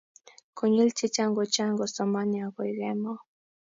Konyil chechang kochan kosomani agoi kemoi